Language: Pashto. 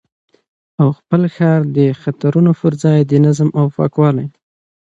او خپل ښار د خطرونو پر ځای د نظم، پاکوالي